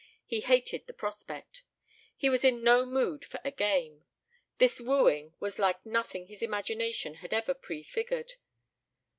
he hated the prospect. He was in no mood for a "game." This wooing was like nothing his imagination had ever prefigured.